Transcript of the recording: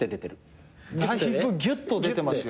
だいぶギュッと出てますよね。